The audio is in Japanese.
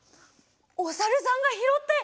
おさるさんがひろって。